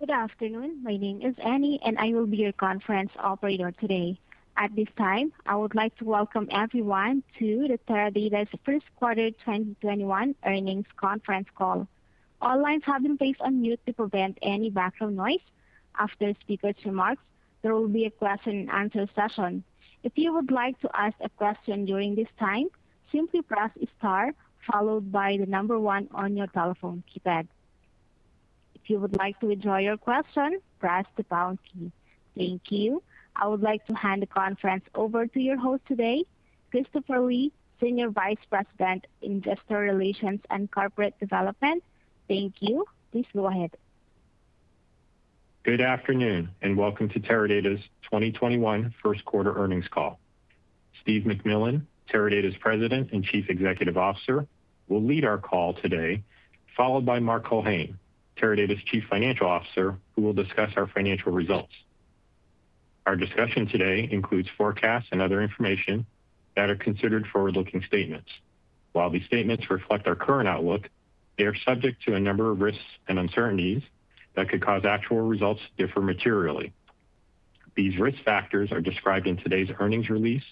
Good afternoon. My name is Annie, and I will be your conference operator today. At this time, I would like to welcome everyone to Teradata's First Quarter 2021 Earnings Conference Call. All lines have been placed on mute to prevent any background noise. After the speakers' remarks, there will be a question and answer session. If you would like to ask a question during this time, simply press star followed by the number one on your telephone keypad. If you would like to withdraw your question, press the pound key. Thank you. I would like to hand the conference over to your host today, Christopher Lee, Senior Vice President, Investor Relations and Corporate Development. Thank you. Please go ahead. Good afternoon, and welcome to Teradata's 2021 first quarter earnings call. Steve McMillan, Teradata's President and Chief Executive Officer, will lead our call today, followed by Mark Culhane, Teradata's Chief Financial Officer, who will discuss our financial results. Our discussion today includes forecasts and other information that are considered forward-looking statements. While these statements reflect our current outlook, they are subject to a number of risks and uncertainties that could cause actual results to differ materially. These risk factors are described in today's earnings release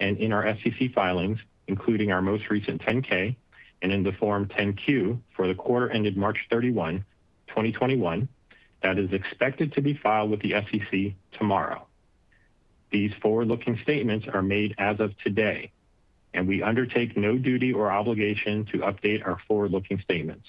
and in our SEC filings, including our most recent 10-K, and in the Form 10-Q for the quarter ended March 31, 2021, that is expected to be filed with the SEC tomorrow. These forward-looking statements are made as of today, and we undertake no duty or obligation to update our forward-looking statements.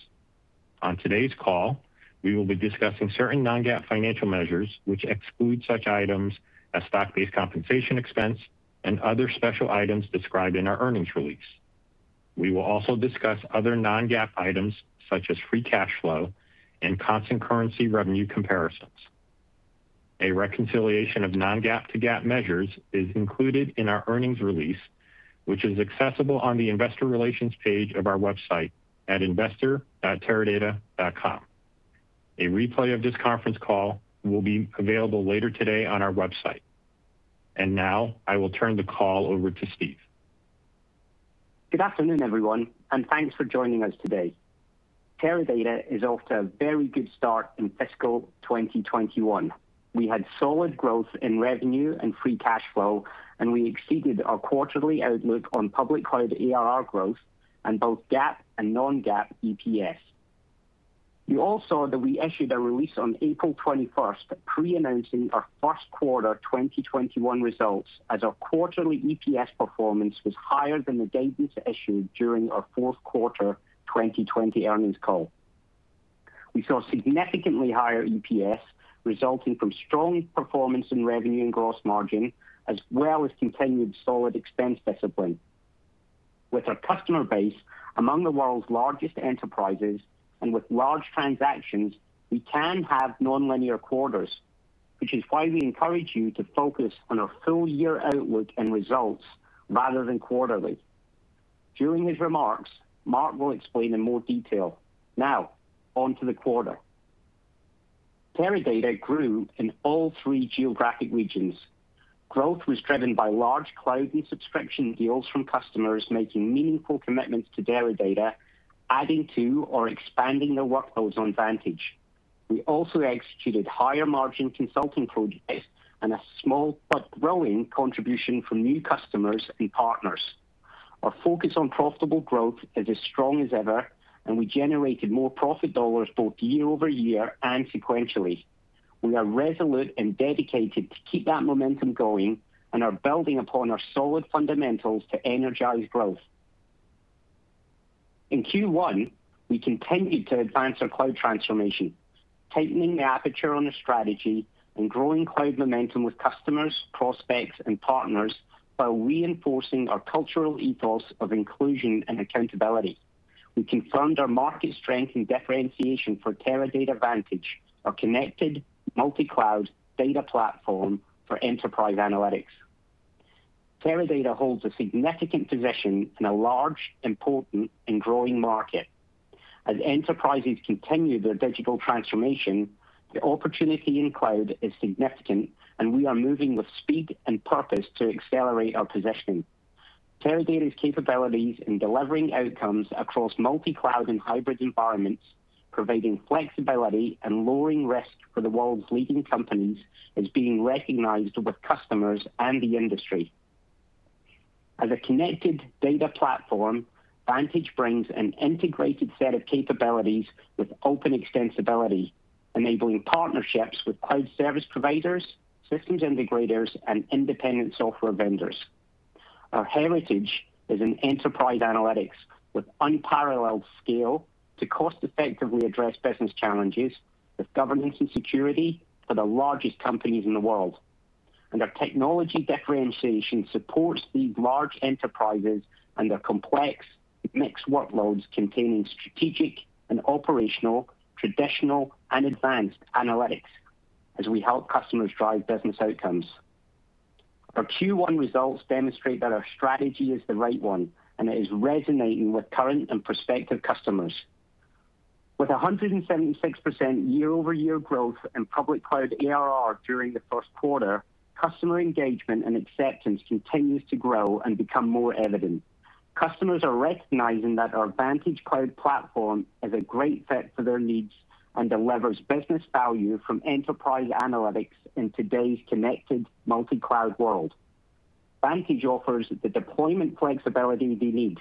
On today's call, we will be discussing certain non-GAAP financial measures, which exclude such items as stock-based compensation expense and other special items described in our earnings release. We will also discuss other non-GAAP items such as free cash flow and constant currency revenue comparisons. A reconciliation of non-GAAP to GAAP measures is included in our earnings release, which is accessible on the investor relations page of our website at investor.teradata.com. A replay of this conference call will be available later today on our website. Now I will turn the call over to Steve. Good afternoon, everyone, and thanks for joining us today. Teradata is off to a very good start in fiscal 2021. We had solid growth in revenue and free cash flow, and we exceeded our quarterly outlook on public cloud ARR growth and both GAAP and non-GAAP EPS. You all saw that we issued a release on April 21st pre-announcing our first quarter 2021 results as our quarterly EPS performance was higher than the guidance issued during our fourth quarter 2020 earnings call. We saw significantly higher EPS resulting from strong performance in revenue and gross margin as well as continued solid expense discipline. With our customer base among the world's largest enterprises and with large transactions, we can have nonlinear quarters, which is why we encourage you to focus on our full-year outlook and results rather than quarterly. During his remarks, Mark will explain in more detail. Onto the quarter. Teradata grew in all three geographic regions. Growth was driven by large cloud and subscription deals from customers making meaningful commitments to Teradata, adding to or expanding their workloads on Vantage. We also executed higher margin consulting projects and a small but growing contribution from new customers and partners. Our focus on profitable growth is as strong as ever, and we generated more profit dollars both year-over-year and sequentially. We are resolute and dedicated to keep that momentum going and are building upon our solid fundamentals to energize growth. In Q1, we continued to advance our cloud transformation, tightening the aperture on our strategy and growing cloud momentum with customers, prospects, and partners while reinforcing our cultural ethos of inclusion and accountability. We confirmed our market strength and differentiation for Teradata Vantage, our connected multi-cloud data platform for enterprise analytics. Teradata holds a significant position in a large, important, and growing market. As enterprises continue their digital transformation, the opportunity in cloud is significant, and we are moving with speed and purpose to accelerate our positioning. Teradata's capabilities in delivering outcomes across multi-cloud and hybrid environments, providing flexibility and lowering risk for the world's leading companies, is being recognized with customers and the industry. As a connected data platform, Vantage brings an integrated set of capabilities with open extensibility, enabling partnerships with cloud service providers, systems integrators, and independent software vendors. Our heritage is in enterprise analytics with unparalleled scale to cost-effectively address business challenges with governance and security for the largest companies in the world. Our technology differentiation supports these large enterprises and their complex, mixed workloads containing strategic and operational, traditional and advanced analytics as we help customers drive business outcomes. Our Q1 results demonstrate that our strategy is the right one, and it is resonating with current and prospective customers. With 176% year-over-year growth in public cloud ARR during the first quarter, customer engagement and acceptance continues to grow and become more evident. Customers are recognizing that our VantageCloud platform is a great fit for their needs and delivers business value from enterprise analytics in today's connected multi-cloud world. Vantage offers the deployment flexibility they need.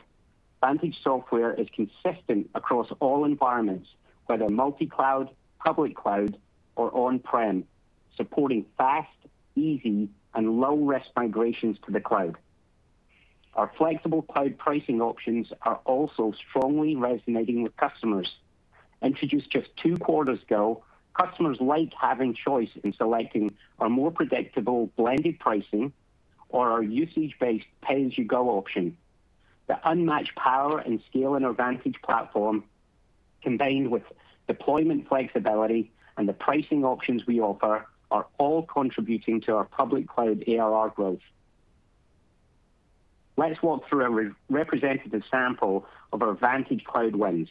Vantage software is consistent across all environments, whether multi-cloud, public cloud, or on-prem, supporting fast, easy, and low-risk migrations to the cloud. Our flexible cloud pricing options are also strongly resonating with customers. Introduced just two quarters ago, customers like having choice in selecting a more predictable blended pricing or our usage-based pay-as-you-go option. The unmatched power and scale in our Vantage platform, combined with deployment flexibility and the pricing options we offer, are all contributing to our public cloud ARR growth. Let's walk through a representative sample of our Vantage cloud wins.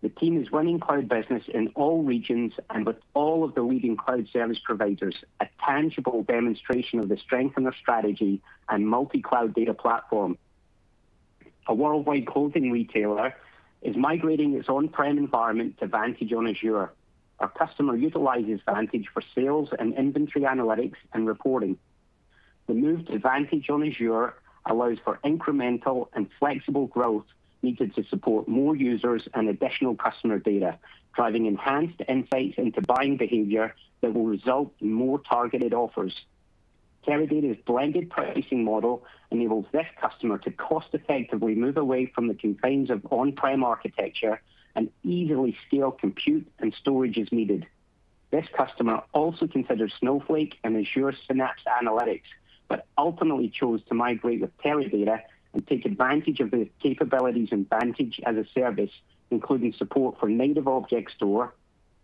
The team is winning cloud business in all regions and with all of the leading cloud service providers, a tangible demonstration of the strength of their strategy and multi-cloud data platform. A worldwide clothing retailer is migrating its on-prem environment to Vantage on Azure. Our customer utilizes Vantage for sales and inventory analytics and reporting. The move to Vantage on Azure allows for incremental and flexible growth needed to support more users and additional customer data, driving enhanced insights into buying behavior that will result in more targeted offers. Teradata's blended pricing model enables this customer to cost effectively move away from the confines of on-prem architecture and easily scale compute and storage as needed. This customer also considered Snowflake and Azure Synapse Analytics, but ultimately chose to migrate with Teradata to take advantage of the capabilities in Vantage as-a-service, including support for native object store,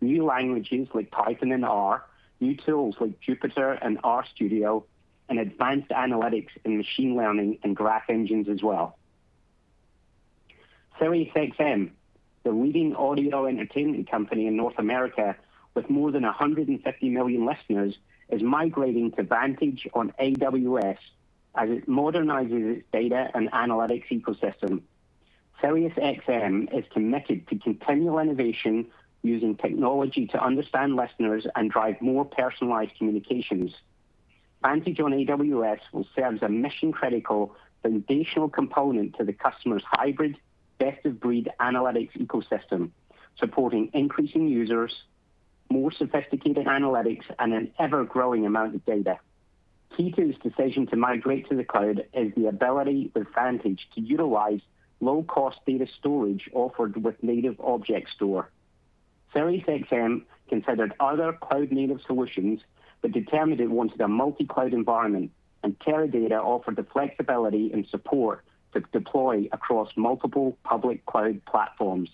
new languages like Python and R, new tools like Jupyter and RStudio, and advanced analytics in machine learning and graph engines as well. SiriusXM, the leading audio entertainment company in North America with more than 150 million listeners, is migrating to Vantage on AWS as it modernizes its data and analytics ecosystem. SiriusXM is committed to continual innovation using technology to understand listeners and drive more personalized communications. Vantage on AWS will serve as a mission-critical foundational component to the customer's hybrid best-of-breed analytics ecosystem, supporting increasing users, more sophisticated analytics, and an ever-growing amount of data. Key to this decision to migrate to the cloud is the ability with Vantage to utilize low-cost data storage offered with native object store. SiriusXM considered other cloud-native solutions but determined it wants a multi-cloud environment, and Teradata offered the flexibility and support to deploy across multiple public cloud platforms.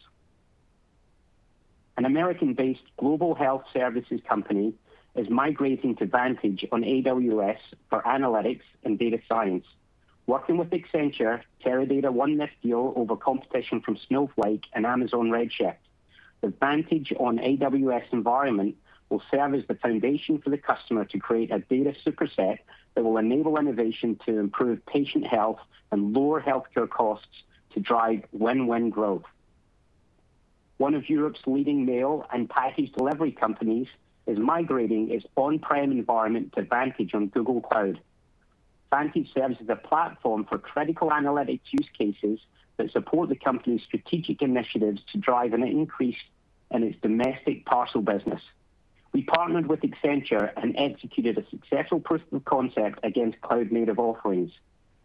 An American-based global health services company is migrating to Vantage on AWS for analytics and data science. Working with Accenture, Teradata won this deal over competition from Snowflake and Amazon Redshift. The Vantage on AWS environment will serve as the foundation for the customer to create a data super set that will enable innovation to improve patient health and lower healthcare costs to drive win-win growth. One of Europe's leading mail and package delivery companies is migrating its on-prem environment to Vantage on Google Cloud. Vantage serves as a platform for critical analytics use cases that support the company's strategic initiatives to drive an increase in its domestic parcel business. We partnered with Accenture and executed a successful proof of concept against cloud-native offerings.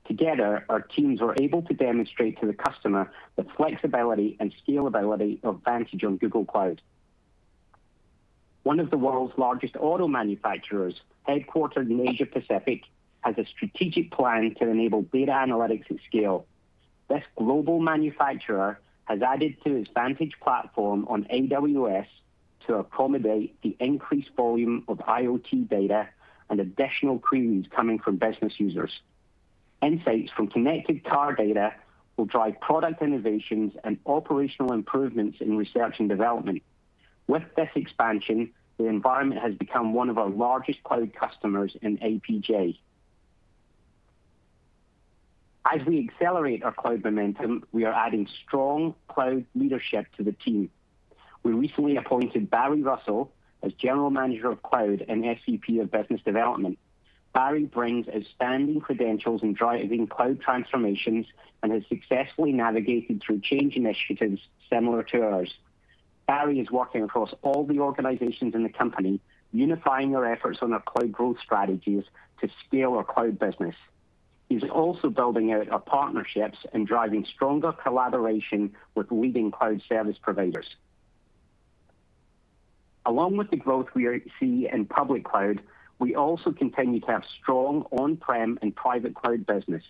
Together, our teams were able to demonstrate to the customer the flexibility and scalability of Vantage on Google Cloud. One of the world's largest auto manufacturers, headquartered in the Asia-Pacific, has a strategic plan to enable data analytics at scale. This global manufacturer has added to its Vantage platform on AWS to accommodate the increased volume of IoT data and additional queries coming from business users. Insights from connected car data will drive product innovations and operational improvements in research and development. With this expansion, the environment has become one of our largest cloud customers in APJ. We accelerate our cloud momentum, we are adding strong cloud leadership to the team. We recently appointed Barry Russell as General Manager of Cloud and SVP of Business Development. Barry brings outstanding credentials in driving cloud transformations and has successfully navigated through change initiatives similar to ours. Barry is working across all the organizations in the company, unifying their efforts on our cloud growth strategies to scale our cloud business. He's also building out our partnerships and driving stronger collaboration with leading cloud service providers. With the growth we see in public cloud, we also continue to have strong on-prem and private cloud business.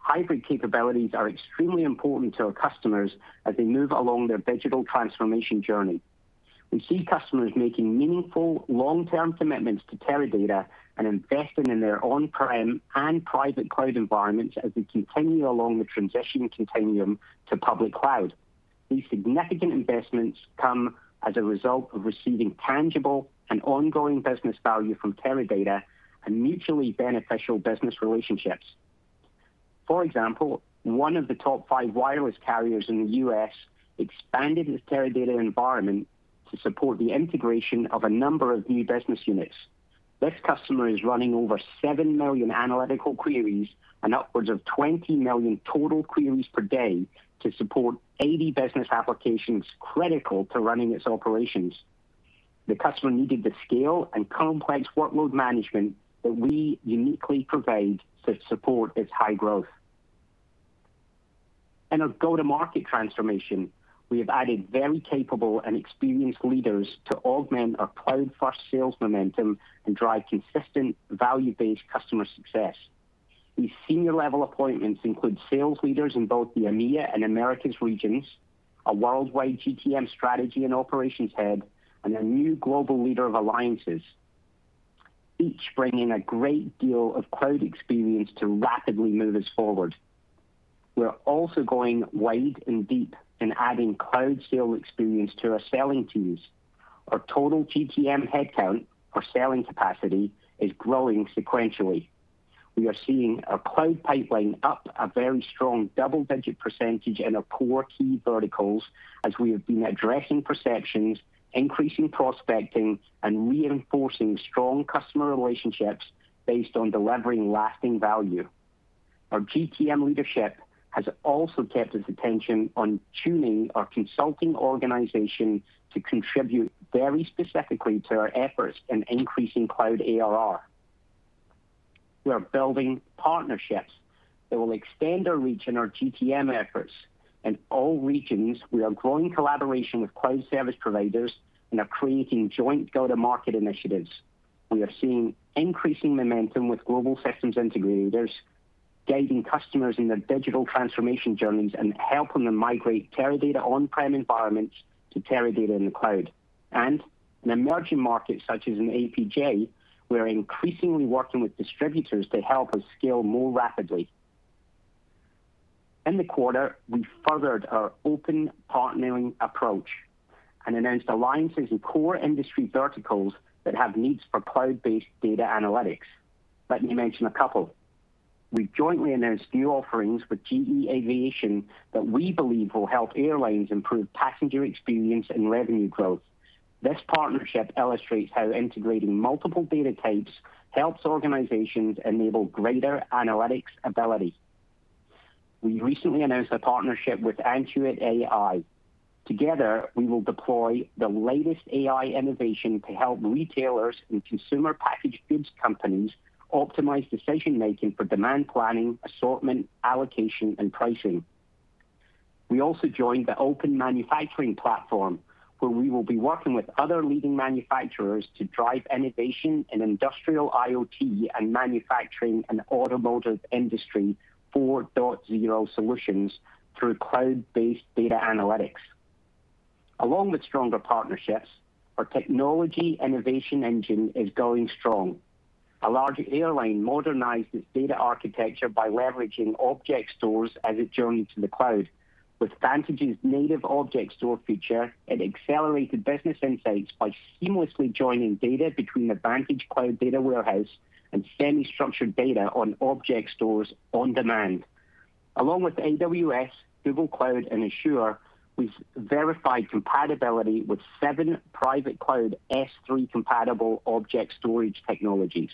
Hybrid capabilities are extremely important to our customers as they move along their digital transformation journey. We see customers making meaningful long-term commitments to Teradata and investing in their on-prem and private cloud environments as they continue along the transition continuum to public cloud. These significant investments come as a result of receiving tangible and ongoing business value from Teradata and mutually beneficial business relationships. For example, one of the top five wireless carriers in the U.S. expanded its Teradata environment to support the integration of a number of new business units. This customer is running over 7 million analytical queries and upwards of 20 million total queries per day to support 80 business applications critical to running its operations. The customer needed the scale and complex workload management that we uniquely provide to support its high growth. In our go-to-market transformation, we have added very capable and experienced leaders to augment our cloud-first sales momentum and drive consistent value-based customer success. These senior-level appointments include sales leaders in both the EMEA and Americas regions, a worldwide GTM strategy and operations head, and a new global leader of alliances, each bringing a great deal of cloud experience to rapidly move us forward. We're also going wide and deep in adding cloud sale experience to our selling teams. Our total GTM headcount, or selling capacity, is growing sequentially. We are seeing our cloud pipeline up a very strong double-digit percentage in our core key verticals as we have been addressing perceptions, increasing prospecting, and reinforcing strong customer relationships based on delivering lasting value. Our GTM leadership has also kept its attention on tuning our consulting organization to contribute very specifically to our efforts in increasing cloud ARR. We are building partnerships that will extend our reach and our GTM efforts. In all regions, we are growing collaboration with cloud service providers and are creating joint go-to-market initiatives. We are seeing increasing momentum with global systems integrators, guiding customers in their digital transformation journeys, and helping them migrate Teradata on-prem environments to Teradata in the cloud. In emerging markets such as in APJ, we're increasingly working with distributors to help us scale more rapidly. In the quarter, we furthered our open partnering approach and announced alliances with core industry verticals that have needs for cloud-based data analytics. Let me mention a couple. We jointly announced new offerings with GE Aviation that we believe will help airlines improve passenger experience and revenue growth. This partnership illustrates how integrating multiple data types helps organizations enable greater analytics ability. We recently announced a partnership with Antuit.ai. Together, we will deploy the latest AI innovation to help retailers and consumer packaged goods companies optimize decision-making for demand planning, assortment, allocation, and pricing. We also joined the Open Manufacturing Platform, where we will be working with other leading manufacturers to drive innovation in industrial IoT and manufacturing and automotive industry 4.0 solutions through cloud-based data analytics. Along with stronger partnerships, our technology innovation engine is going strong. A large airline modernized its data architecture by leveraging object stores as it journeyed to the cloud. With Vantage's native object store feature, it accelerated business insights by seamlessly joining data between the VantageCloud data warehouse and semi-structured data on object stores on demand. Along with AWS, Google Cloud, and Azure, we've verified compatibility with seven private cloud S3-compatible object storage technologies.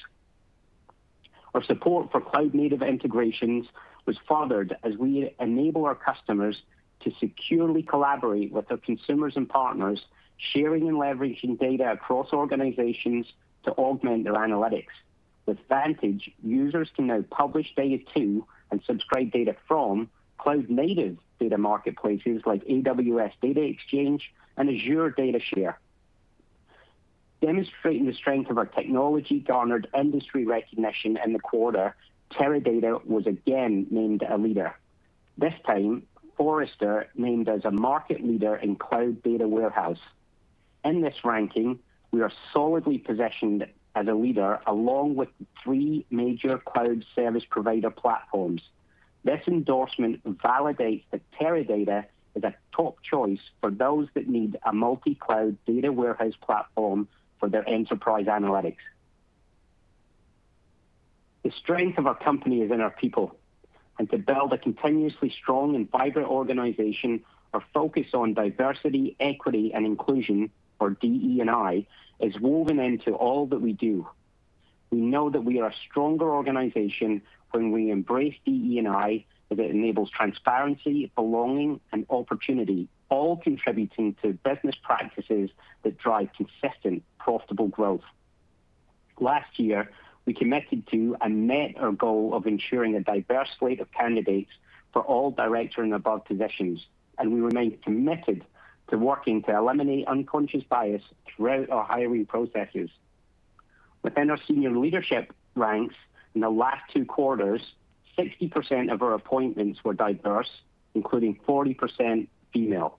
Our support for cloud-native integrations was furthered as we enable our customers to securely collaborate with their consumers and partners, sharing and leveraging data across organizations to augment their analytics. With Vantage, users can now publish data to and subscribe data from cloud-native data marketplaces like AWS Data Exchange and Azure Data Share. Demonstrating the strength of our technology garnered industry recognition in the quarter. Teradata was again named a leader. This time, Forrester named us a market leader in cloud data warehouse. In this ranking, we are solidly positioned as a leader along with three major cloud service provider platforms. This endorsement validates that Teradata is a top choice for those that need a multi-cloud data warehouse platform for their enterprise analytics. The strength of our company is in our people, and to build a continuously strong and vibrant organization, our focus on diversity, equity, and inclusion, or DE&I, is woven into all that we do. We know that we are a stronger organization when we embrace DE&I, as it enables transparency, belonging, and opportunity, all contributing to business practices that drive consistent, profitable growth. Last year, we committed to and met our goal of ensuring a diverse slate of candidates for all director and above positions, and we remain committed to working to eliminate unconscious bias throughout our hiring processes. Within our senior leadership ranks in the last two quarters, 60% of our appointments were diverse, including 40% female.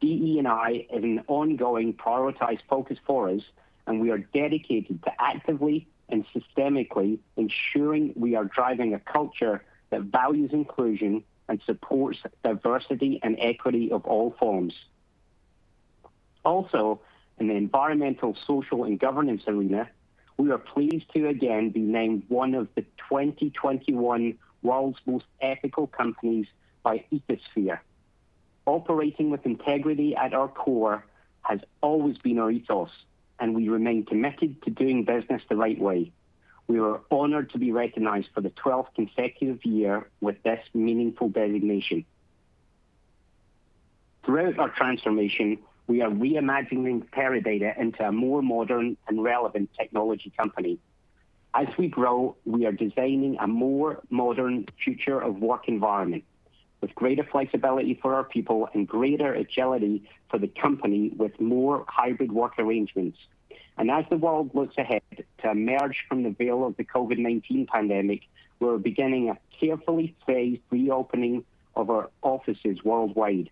DE&I is an ongoing prioritized focus for us, and we are dedicated to actively and systemically ensuring we are driving a culture that values inclusion and supports diversity and equity of all forms. Also, in the environmental, social, and governance arena, we are pleased to again be named one of the 2021 World's Most Ethical Companies by Ethisphere. Operating with integrity at our core has always been our ethos, and we remain committed to doing business the right way. We are honored to be recognized for the 12th consecutive year with this meaningful designation. Throughout our transformation, we are reimagining Teradata into a more modern and relevant technology company. As we grow, we are designing a more modern future of work environment with greater flexibility for our people and greater agility for the company with more hybrid work arrangements. As the world looks ahead to emerge from the veil of the COVID-19 pandemic, we're beginning a carefully phased reopening of our offices worldwide.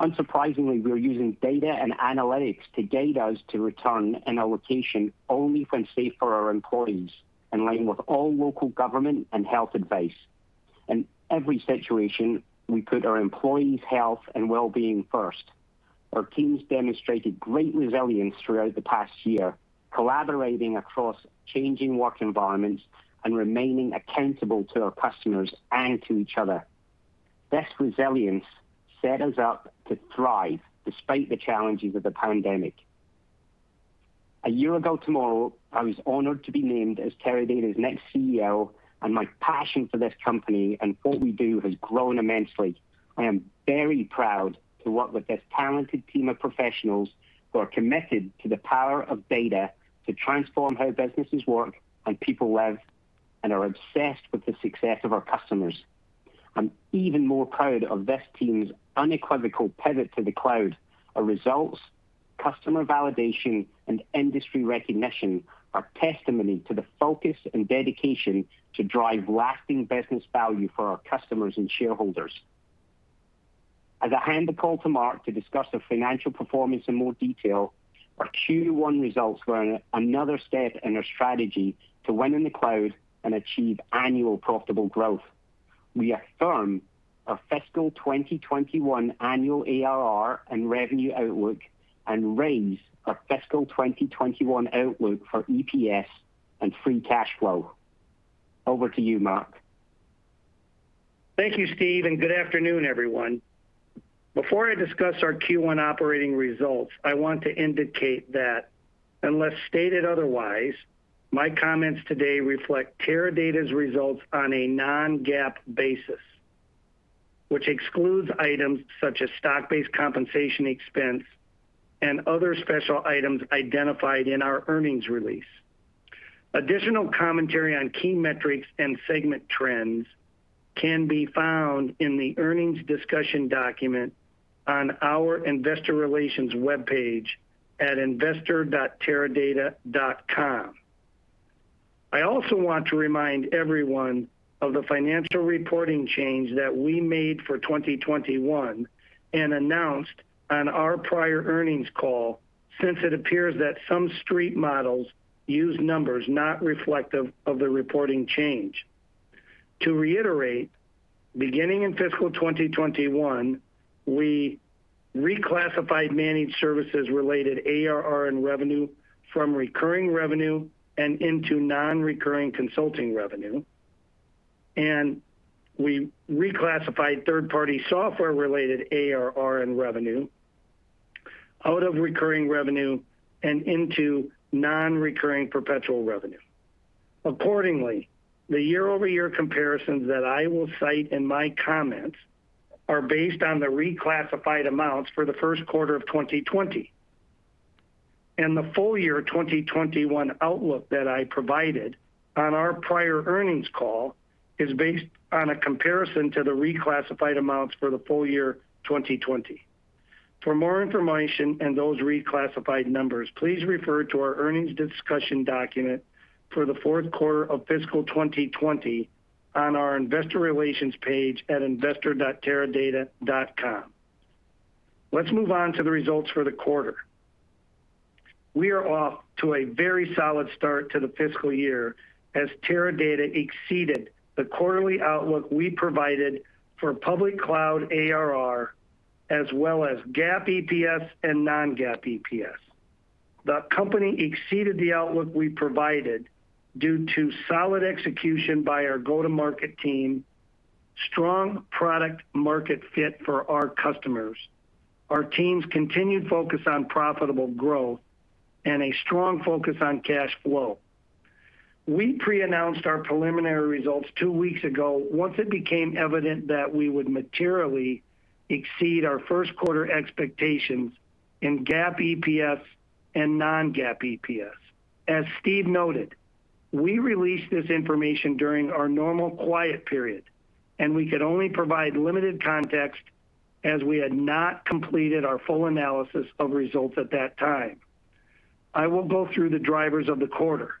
Unsurprisingly, we are using data and analytics to guide us to return in a location only when safe for our employees, in line with all local government and health advice. In every situation, we put our employees' health and wellbeing first. Our teams demonstrated great resilience throughout the past year, collaborating across changing work environments and remaining accountable to our customers and to each other. This resilience set us up to thrive despite the challenges of the pandemic. A year ago tomorrow, I was honored to be named as Teradata's next CEO. My passion for this company and what we do has grown immensely. I am very proud to work with this talented team of professionals who are committed to the power of data to transform how businesses work and people live, and are obsessed with the success of our customers. I'm even more proud of this team's unequivocal pivot to the cloud. Our results, customer validation, and industry recognition are testimony to the focus and dedication to drive lasting business value for our customers and shareholders. I'll hand the call to Mark to discuss the financial performance in more detail. Our Q1 results were another step in our strategy to win in the cloud and achieve annual profitable growth. We affirm our fiscal 2021 annual ARR and revenue outlook and raise our fiscal 2021 outlook for EPS and free cash flow. Over to you, Mark. Thank you, Steve, and good afternoon, everyone. Before I discuss our Q1 operating results, I want to indicate that, unless stated otherwise, my comments today reflect Teradata's results on a non-GAAP basis, which excludes items such as stock-based compensation expense and other special items identified in our earnings release. Additional commentary on key metrics and segment trends can be found in the earnings discussion document on our investor relations webpage at investor.teradata.com. I also want to remind everyone of the financial reporting change that we made for 2021 and announced on our prior earnings call, since it appears that some street models use numbers not reflective of the reporting change. To reiterate, beginning in fiscal 2021, we reclassified managed services related ARR and revenue from recurring revenue and into non-recurring consulting revenue, and we reclassified third-party software related ARR and revenue out of recurring revenue and into non-recurring perpetual revenue. Accordingly, the year-over-year comparisons that I will cite in my comments are based on the reclassified amounts for the first quarter of 2020, and the full year 2021 outlook that I provided on our prior earnings call is based on a comparison to the reclassified amounts for the full year 2020. For more information on those reclassified numbers, please refer to our earnings discussion document for the fourth quarter of fiscal 2020 on our investor relations page at investor.teradata.com. Let's move on to the results for the quarter. We are off to a very solid start to the fiscal year, as Teradata exceeded the quarterly outlook we provided for public cloud ARR, as well as GAAP EPS and non-GAAP EPS. The company exceeded the outlook we provided due to solid execution by our go-to-market team, strong product market fit for our customers, our team's continued focus on profitable growth, and a strong focus on cash flow. We pre-announced our preliminary results two weeks ago, once it became evident that we would materially exceed our first quarter expectations in GAAP EPS and non-GAAP EPS. As Steve noted, we released this information during our normal quiet period, and we could only provide limited context, as we had not completed our full analysis of results at that time. I will go through the drivers of the quarter.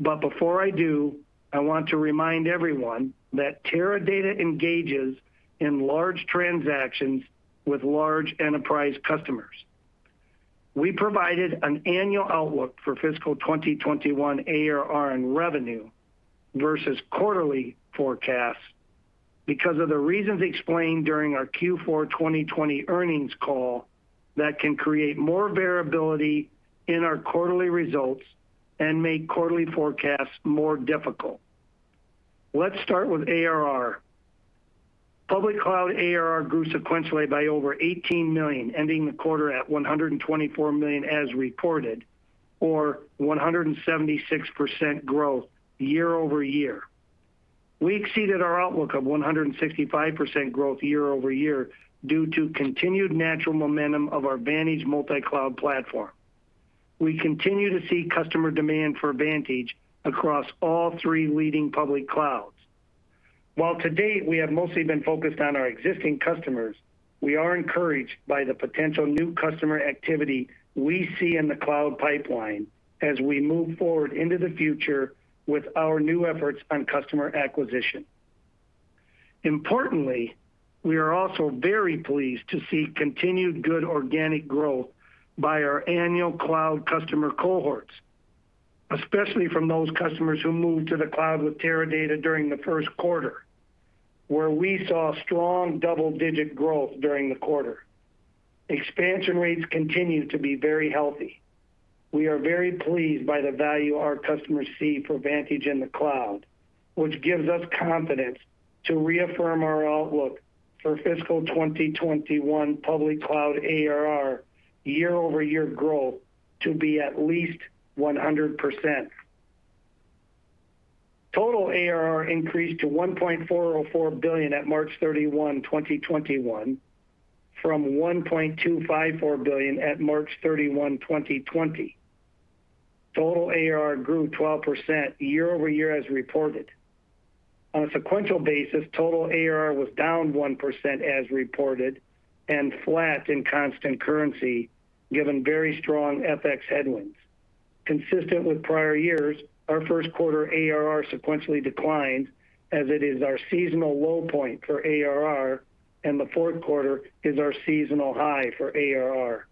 Before I do, I want to remind everyone that Teradata engages in large transactions with large enterprise customers. We provided an annual outlook for fiscal 2021 ARR and revenue versus quarterly forecasts because of the reasons explained during our Q4 2020 earnings call that can create more variability in our quarterly results and make quarterly forecasts more difficult. Let's start with ARR. Public cloud ARR grew sequentially by over $18 million, ending the quarter at $124 million as reported, or 176% growth year-over-year. We exceeded our outlook of 165% growth year-over-year due to continued natural momentum of our Vantage multi-cloud platform. We continue to see customer demand for Vantage across all three leading public clouds. While to date we have mostly been focused on our existing customers, we are encouraged by the potential new customer activity we see in the cloud pipeline as we move forward into the future with our new efforts on customer acquisition. Importantly, we are also very pleased to see continued good organic growth by our annual cloud customer cohorts, especially from those customers who moved to the cloud with Teradata during the first quarter, where we saw strong double-digit growth during the quarter. Expansion rates continue to be very healthy. We are very pleased by the value our customers see for Vantage in the cloud, which gives us confidence to reaffirm our outlook for fiscal 2021 public cloud ARR year-over-year growth to be at least 100%. Total ARR increased to $1.404 billion at March 31, 2021, from $1.254 billion at March 31, 2020. Total ARR grew 12% year-over-year as reported. On a sequential basis, total ARR was down 1% as reported, and flat in constant currency, given very strong FX headwinds. Consistent with prior years, our first quarter ARR sequentially declined as it is our seasonal low point for ARR, and the fourth quarter is our seasonal high for ARR.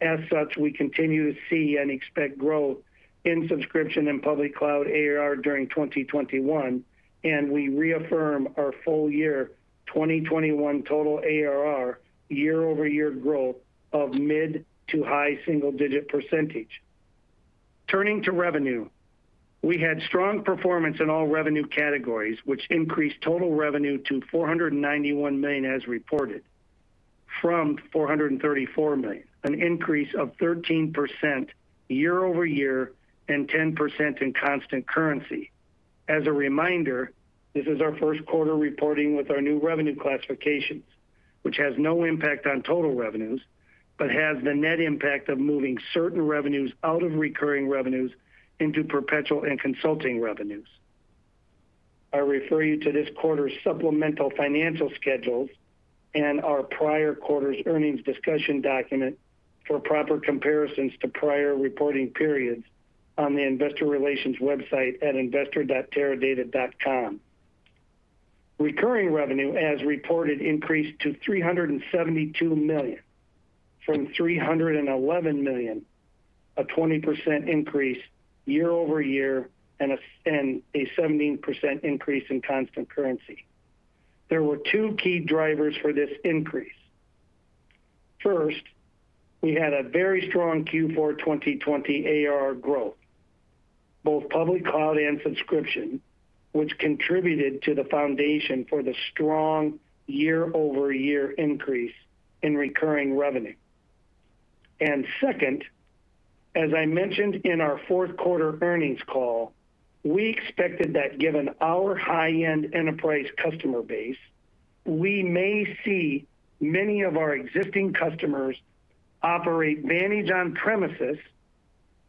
As such, we continue to see and expect growth in subscription and public cloud ARR during 2021, and we reaffirm our full year 2021 total ARR year-over-year growth of mid to high single-digit percentage. Turning to revenue, we had strong performance in all revenue categories, which increased total revenue to $491 million as reported from $434 million, an increase of 13% year-over-year and 10% in constant currency. As a reminder, this is our first quarter reporting with our new revenue classifications, which has no impact on total revenues, but has the net impact of moving certain revenues out of recurring revenues into perpetual and consulting revenues. I refer you to this quarter's supplemental financial schedules and our prior quarter's earnings discussion document for proper comparisons to prior reporting periods on the investor relations website at investor.teradata.com. Recurring revenue as reported increased to $372 million from $311 million, a 20% increase year-over-year, and a 17% increase in constant currency. There were two key drivers for this increase. First, we had a very strong Q4 2020 ARR growth, both public cloud and subscription, which contributed to the foundation for the strong year-over-year increase in recurring revenue. Second, as I mentioned in our fourth quarter earnings call, we expected that given our high-end enterprise customer base, we may see many of our existing customers operate Vantage on-premises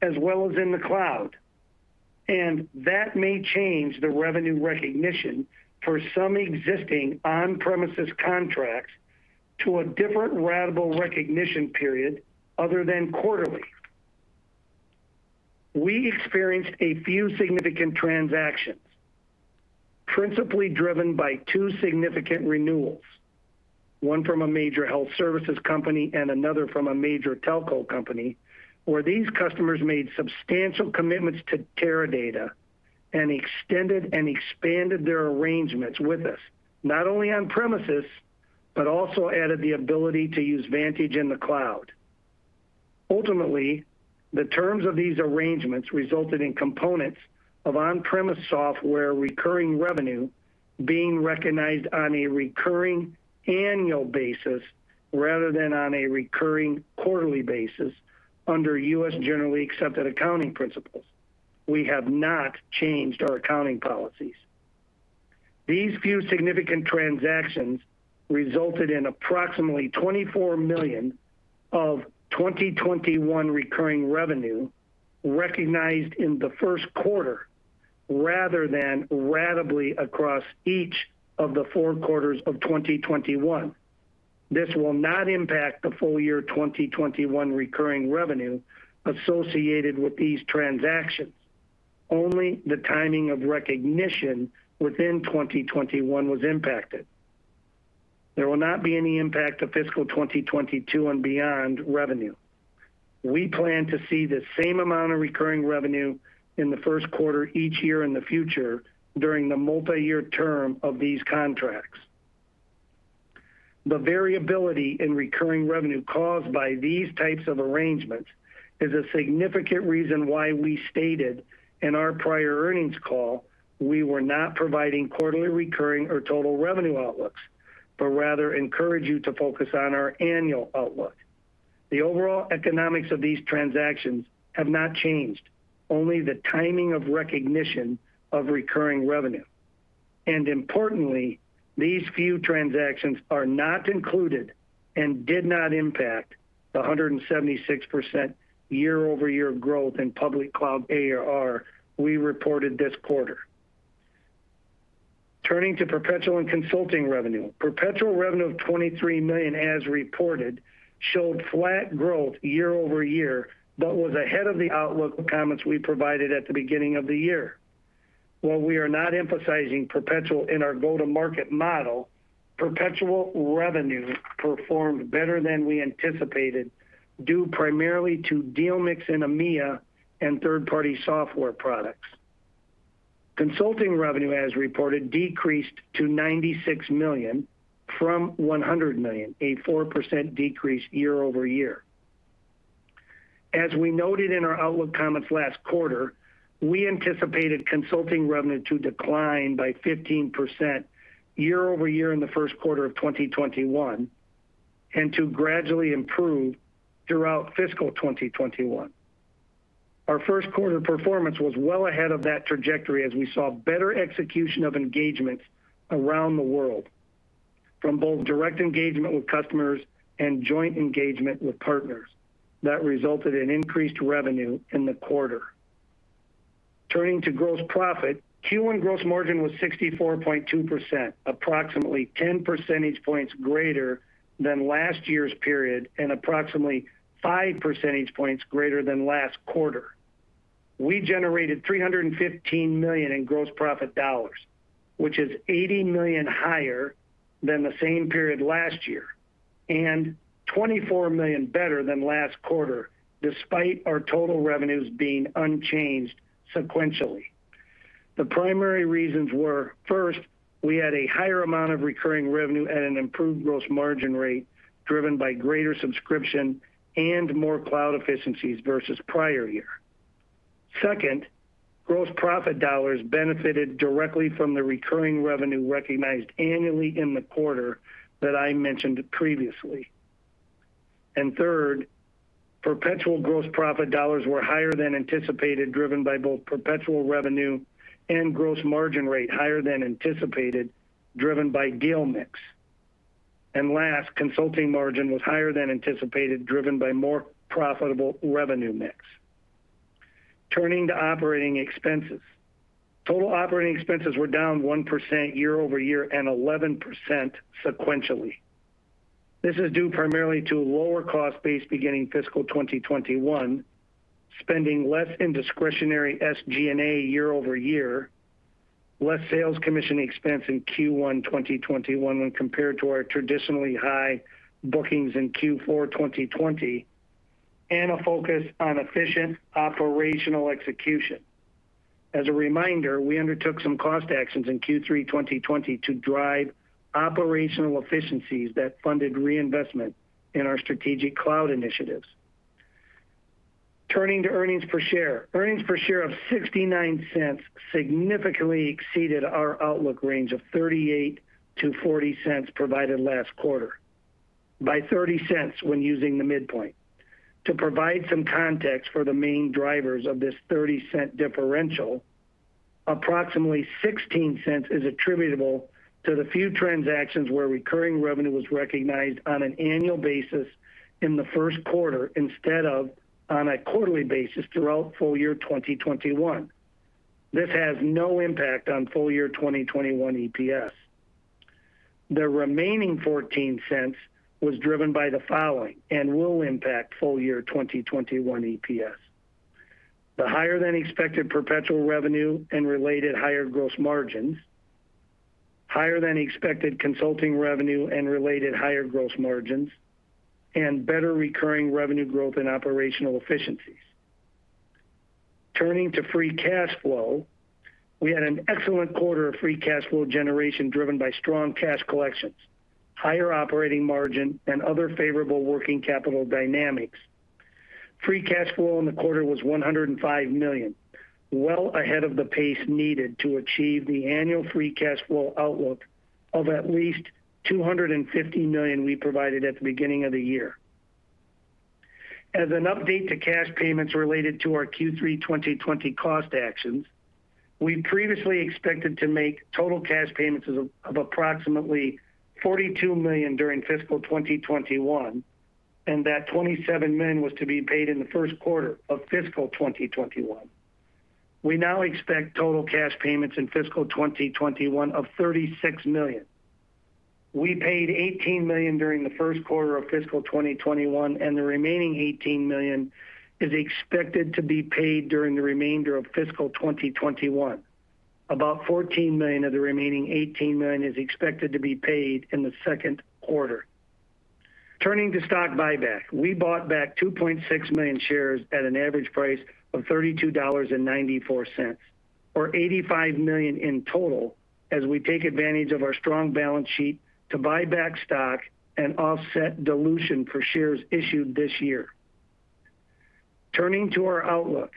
as well as in the cloud, and that may change the revenue recognition for some existing on-premises contracts to a different ratable recognition period other than quarterly. We experienced a few significant transactions, principally driven by two significant renewals, one from a major health services company and another from a major telco company, where these customers made substantial commitments to Teradata and extended and expanded their arrangements with us, not only on-premises, but also added the ability to use Vantage in the cloud. Ultimately, the terms of these arrangements resulted in components of on-premises software recurring revenue being recognized on a recurring annual basis rather than on a recurring quarterly basis under U.S. generally accepted accounting principles. We have not changed our accounting policies. These few significant transactions resulted in approximately $24 million of 2021 recurring revenue recognized in the first quarter rather than ratably across each of the four quarters of 2021. This will not impact the full year 2021 recurring revenue associated with these transactions. Only the timing of recognition within 2021 was impacted. There will not be any impact to fiscal 2022 and beyond revenue. We plan to see the same amount of recurring revenue in the first quarter each year in the future during the multi-year term of these contracts. The variability in recurring revenue caused by these types of arrangements is a significant reason why we stated in our prior earnings call, we were not providing quarterly recurring or total revenue outlooks, but rather encourage you to focus on our annual outlook. The overall economics of these transactions have not changed, only the timing of recognition of recurring revenue. Importantly, these few transactions are not included and did not impact the 176% year-over-year growth in public cloud ARR we reported this quarter. Turning to perpetual and consulting revenue. Perpetual revenue of $23 million as reported, showed flat growth year-over-year, but was ahead of the outlook comments we provided at the beginning of the year. While we are not emphasizing perpetual in our go-to-market model, perpetual revenue performed better than we anticipated, due primarily to deal mix in EMEA and third-party software products. Consulting revenue, as reported, decreased to $96 million from $100 million, a 4% decrease year-over-year. As we noted in our outlook comments last quarter, we anticipated consulting revenue to decline by 15% year-over-year in the first quarter of 2021, and to gradually improve throughout fiscal 2021. Our first quarter performance was well ahead of that trajectory as we saw better execution of engagements around the world, from both direct engagement with customers and joint engagement with partners. That resulted in increased revenue in the quarter. Turning to gross profit, Q1 gross margin was 64.2%, approximately 10 percentage points greater than last year's period and approximately 5 percentage points greater than last quarter. We generated $315 million in gross profit dollars, which is $80 million higher than the same period last year, and $24 million better than last quarter, despite our total revenues being unchanged sequentially. The primary reasons were, first, we had a higher amount of recurring revenue at an improved gross margin rate, driven by greater subscription and more cloud efficiencies versus prior year. Second, gross profit dollars benefited directly from the recurring revenue recognized annually in the quarter that I mentioned previously. Third, perpetual gross profit dollars were higher than anticipated, driven by both perpetual revenue and gross margin rate higher than anticipated, driven by deal mix. Last, consulting margin was higher than anticipated, driven by more profitable revenue mix. Turning to operating expenses. Total operating expenses were down 1% year-over-year and 11% sequentially. This is due primarily to a lower cost base beginning fiscal 2021, spending less in discretionary SG&A year-over-year, less sales commission expense in Q1 2021 when compared to our traditionally high bookings in Q4 2020, and a focus on efficient operational execution. As a reminder, we undertook some cost actions in Q3 2020 to drive operational efficiencies that funded reinvestment in our strategic cloud initiatives. Turning to earnings per share. Earnings per share of $0.69 significantly exceeded our outlook range of $0.38-$0.40 provided last quarter, by $0.30 when using the midpoint. To provide some context for the main drivers of this $0.30 differential, approximately $0.16 is attributable to the few transactions where recurring revenue was recognized on an annual basis in the first quarter instead of on a quarterly basis throughout full year 2021. This has no impact on full year 2021 EPS. The remaining $0.14 was driven by the following, and will impact full year 2021 EPS. The higher-than-expected perpetual revenue and related higher gross margins, higher-than-expected consulting revenue and related higher gross margins, and better recurring revenue growth and operational efficiencies. Turning to free cash flow. We had an excellent quarter of free cash flow generation driven by strong cash collections, higher operating margin, and other favorable working capital dynamics. Free cash flow in the quarter was $105 million, well ahead of the pace needed to achieve the annual free cash flow outlook of at least $250 million we provided at the beginning of the year. As an update to cash payments related to our Q3 2020 cost actions, we previously expected to make total cash payments of approximately $42 million during fiscal 2021, and that $27 million was to be paid in the first quarter of fiscal 2021. We now expect total cash payments in fiscal 2021 of $36 million. We paid $18 million during the first quarter of fiscal 2021, and the remaining $18 million is expected to be paid during the remainder of fiscal 2021. About $14 million of the remaining $18 million is expected to be paid in the second quarter. Turning to stock buyback, we bought back 2.6 million shares at an average price of $32.94, or $85 million in total, as we take advantage of our strong balance sheet to buy back stock and offset dilution for shares issued this year. Turning to our outlook.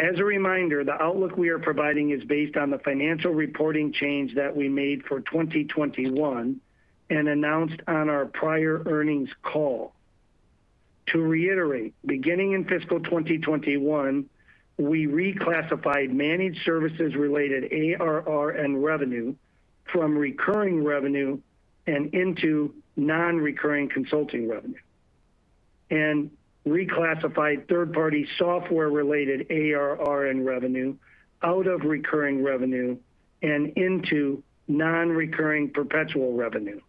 As a reminder, the outlook we are providing is based on the financial reporting change that we made for 2021 and announced on our prior earnings call. To reiterate, beginning in fiscal 2021, we reclassified managed services-related ARR and revenue from recurring revenue and into non-recurring consulting revenue, and reclassified third-party software-related ARR and revenue out of recurring revenue and into non-recurring perpetual revenue.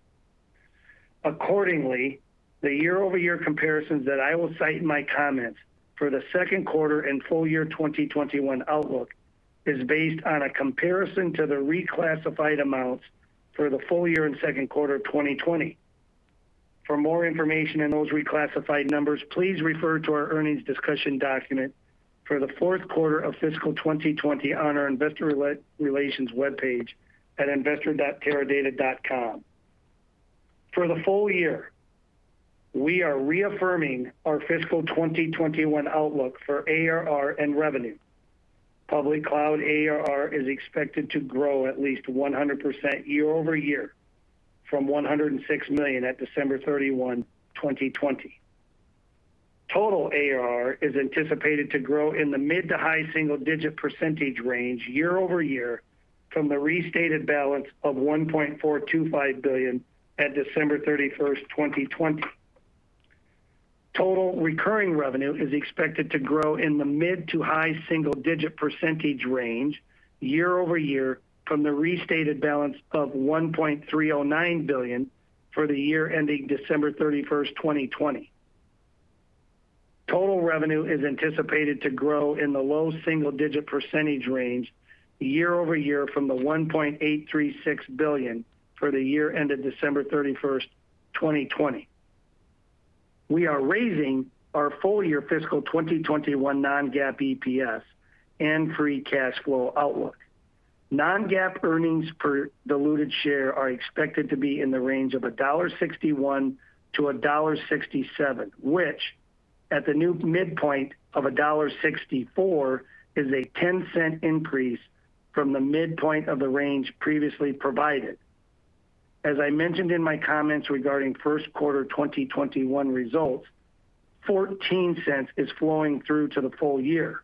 The year-over-year comparisons that I will cite in my comments for the second quarter and full year 2021 outlook is based on a comparison to the reclassified amounts for the full year and second quarter 2020. For more information on those reclassified numbers, please refer to our earnings discussion document for the fourth quarter of fiscal 2020 on our investor relations webpage at investor.teradata.com. For the full year, we are reaffirming our fiscal 2021 outlook for ARR and revenue. Public cloud ARR is expected to grow at least 100% year-over-year from $106 million at December 31, 2020. Total ARR is anticipated to grow in the mid to high single-digit percentage range year-over-year from the restated balance of $1.425 billion at December 31, 2020. Total recurring revenue is expected to grow in the mid to high single-digit percentage range year-over-year from the restated balance of $1.309 billion for the year ending December 31, 2020. Total revenue is anticipated to grow in the low single-digit percentage range year-over-year from the $1.836 billion for the year ended December 31, 2020. We are raising our full-year fiscal 2021 non-GAAP EPS and free cash flow outlook. Non-GAAP earnings per diluted share are expected to be in the range of $1.61-$1.67, which, at the new midpoint of $1.64, is a $0.10 increase from the midpoint of the range previously provided. As I mentioned in my comments regarding first quarter 2021 results, $0.14 is flowing through to the full year,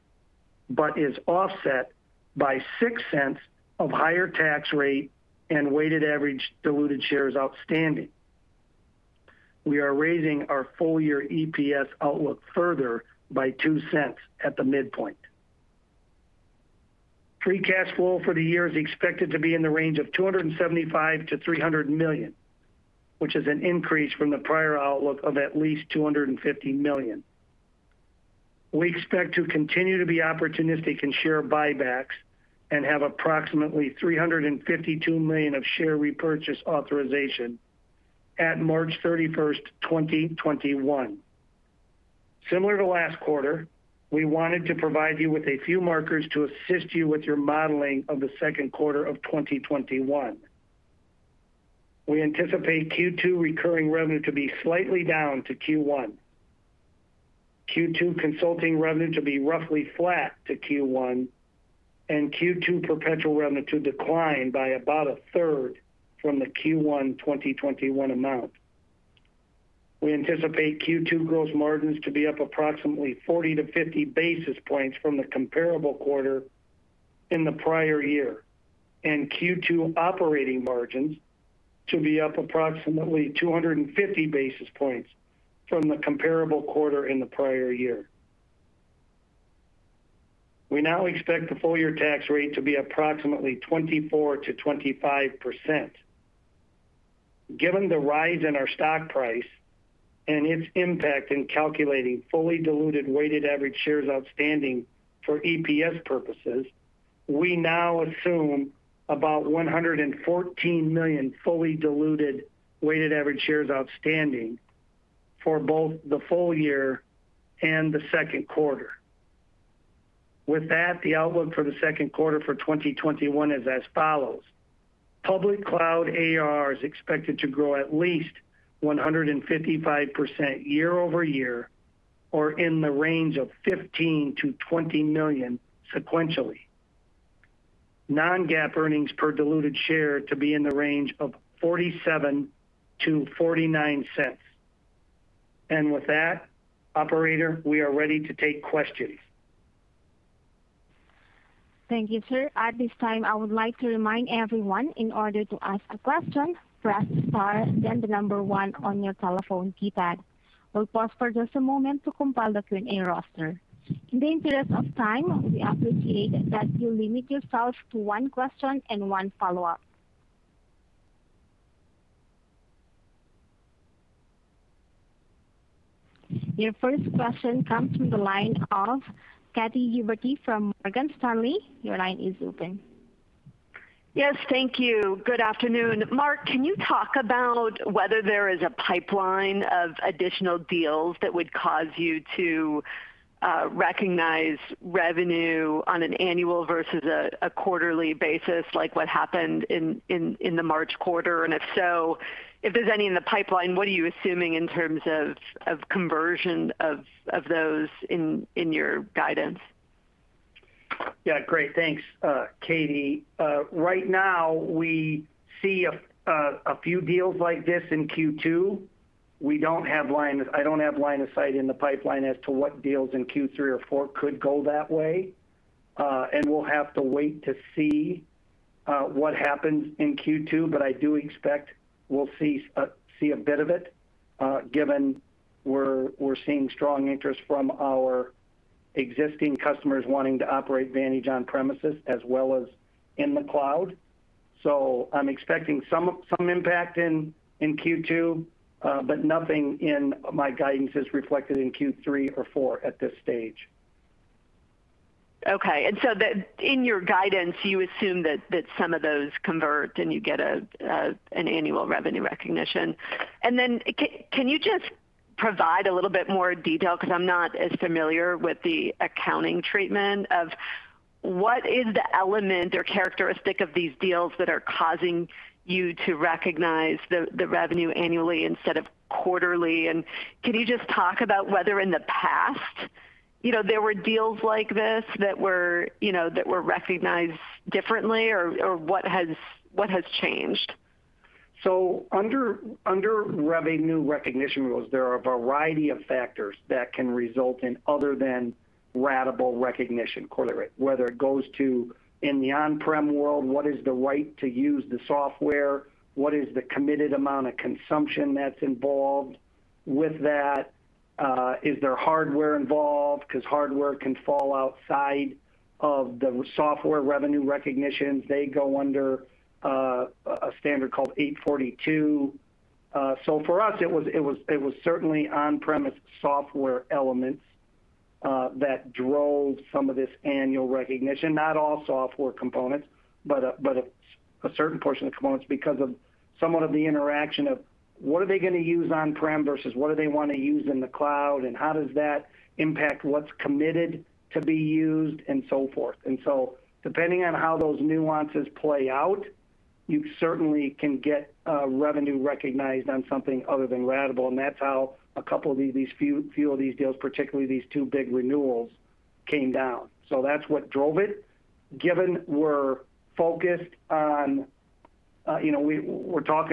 but is offset by $0.06 of higher tax rate and weighted average diluted shares outstanding. We are raising our full-year EPS outlook further by $0.02 at the midpoint. Free cash flow for the year is expected to be in the range of $275 million-$300 million, which is an increase from the prior outlook of at least $250 million. We expect to continue to be opportunistic in share buybacks and have approximately $352 million of share repurchase authorization at March 31st, 2021. Similar to last quarter, we wanted to provide you with a few markers to assist you with your modeling of the second quarter of 2021. We anticipate Q2 recurring revenue to be slightly down to Q1, Q2 consulting revenue to be roughly flat to Q1, and Q2 perpetual revenue to decline by about a third from the Q1 2021 amount. We anticipate Q2 gross margins to be up approximately 40-50 basis points from the comparable quarter in the prior year, and Q2 operating margins to be up approximately 250 basis points from the comparable quarter in the prior year. We now expect the full-year tax rate to be approximately 24%-25%. Given the rise in our stock price and its impact in calculating fully diluted weighted average shares outstanding for EPS purposes, we now assume about 114 million fully diluted weighted average shares outstanding for both the full year and the second quarter. With that, the outlook for the second quarter for 2021 is as follows: Public Cloud ARR is expected to grow at least 155% year-over-year or in the range of $15 million-$20 million sequentially. Non-GAAP earnings per diluted share to be in the range of $0.47-$0.49. With that, operator, we are ready to take questions. Thank you, sir. At this time, I would like to remind everyone, in order to ask a question, press star then the number one on your telephone keypad. We'll pause for just a moment to compile the Q&A roster. During period of time, we appreciate that you limit yourselves to one question and one follow-up. Your first question comes from the line of Katy Huberty from Morgan Stanley. Your line is open. Yes, thank you. Good afternoon. Mark, can you talk about whether there is a pipeline of additional deals that would cause you to recognize revenue on an annual versus a quarterly basis like what happened in the March quarter? If so, if there's any in the pipeline, what are you assuming in terms of conversion of those in your guidance? Yeah. Great. Thanks, Katy. Right now, we see a few deals like this in Q2. I don't have line of sight in the pipeline as to what deals in Q3 or Q4 could go that way. We'll have to wait to see what happens in Q2. I do expect we'll see a bit of it given we're seeing strong interest from our existing customers wanting to operate Vantage on-premises as well as in the cloud. I'm expecting some impact in Q2. Nothing in my guidance is reflected in Q3 or Q4 at this stage. Okay. In your guidance, you assume that some of those convert and you get an annual revenue recognition. Can you just provide a little bit more detail, because I'm not as familiar with the accounting treatment of what is the element or characteristic of these deals that are causing you to recognize the revenue annually instead of quarterly? Can you just talk about whether in the past there were deals like this that were recognized differently, or what has changed? Under revenue recognition rules, there are a variety of factors that can result in other than ratable recognition quarterly. Whether it goes to in the on-prem world, what is the right to use the software, what is the committed amount of consumption that's involved with that? Is there hardware involved? Because hardware can fall outside of the software revenue recognition. They go under a standard called 842. For us, it was certainly on-premise software elements that drove some of this annual recognition, not all software components, but a certain portion of components because of some of the interaction of what are they going to use on-prem versus what do they want to use in the cloud, and how does that impact what's committed to be used and so forth. Depending on how those nuances play out, you certainly can get revenue recognized on something other than ratable, and that's how a couple of these, few of these deals, particularly these two big renewals, came down. That's what drove it. Given we're talking